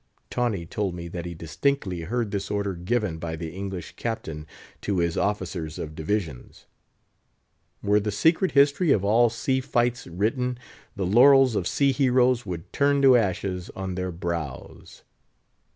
Tawney told me that he distinctly heard this order given by the English Captain to his officers of divisions. Were the secret history of all sea fights written, the laurels of sea heroes would turn to ashes on their brows.